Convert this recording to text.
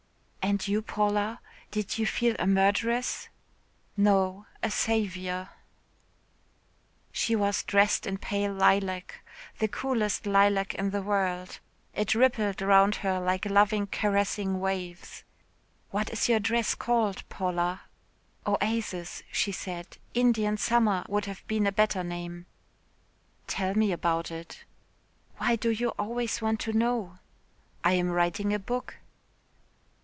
"And you, Paula, did you feel a murderess?" "No, a saviour." She was dressed in pale lilac the coolest lilac in the world. It rippled round her like loving caressing waves. "What is your dress called, Paula?" "Oasis," she said. "'Indian summer' would have been a better name." "Tell me about it." "Why do you always want to know?" "I am writing a book."